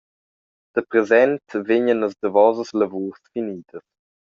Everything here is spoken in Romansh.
Dapresent vegnan las davosas lavurs finidas.